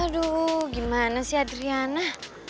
aduh gimana sih adriana